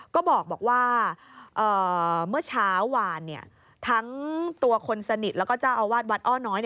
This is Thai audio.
ก็บอกว่าเมื่อเช้าหวานทั้งตัวคนสนิทแล้วก็เจ้าอาวาสวัดอ้อน้อย